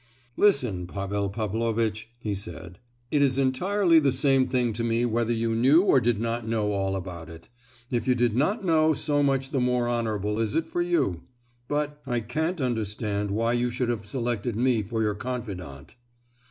"Listen, Pavel Pavlovitch," he said; "it is entirely the same thing to me whether you knew or did not know all about it. If you did not know, so much the more honourable is it for you; but—I can't understand why you should have selected me for your confidant."